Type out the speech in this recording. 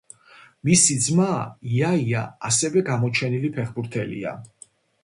მისი ძმა იაია ასევე გამოჩენილი ფეხბურთელია.